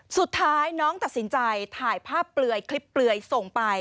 สุดท้ายน้องตัดสินใจถ่ายภาพเปลือยคลิปเปลือยส่งไป